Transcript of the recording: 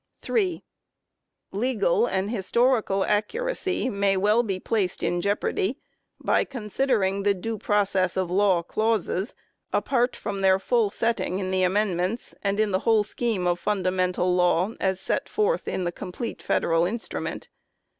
3. Legal and historical accuracy may well be placed in jeopardy by considering the " due process of law " clauses apart from their full setting in the Amendments and in the whole scheme of fundamental law as set forth in the complete federal instrument.